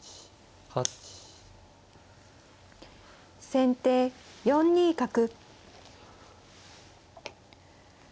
先手４二角。